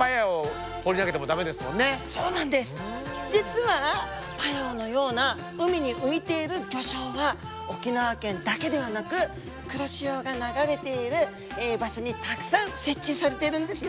実はパヤオのような海に浮いている魚礁は沖縄県だけではなく黒潮が流れている場所にたくさん設置されているんですね。